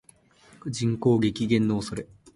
人口激減の恐れ